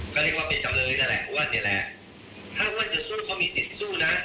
ก็เรียกว่าเป็นจำเลยนั่นแหละอ้วนนี่แหละถ้าอ้วนจะสู้เขามีสิทธิ์สู้นะ